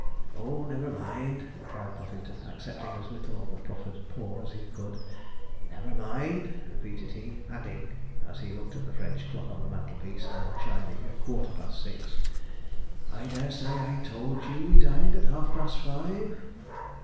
'Oh, never mind,' replied Puffington, accepting as little of the proffered paw as he could; 'never mind,' repeated he, adding, as he looked at the French clock on the mantelpiece now chiming a quarter past six, 'I dare say I told you we dined at half past five.'